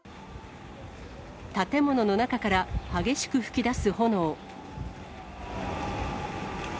建物の中から激しく噴き出す炎。